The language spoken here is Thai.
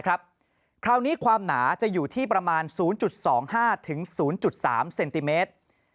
คราวนี้ความหนาจะอยู่ที่ประมาณ๐๒๕๐๓เซนติเมตร